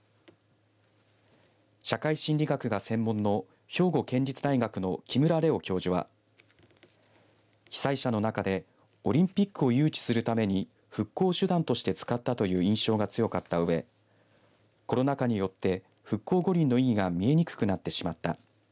社会心理学が専門の兵庫県立大学の木村玲欧教授は被災者の中でオリンピックを誘致するために復興を手段として使ったという印象が強かったうえコロナ禍によって復興五輪の意義が見えにくくなってしまった。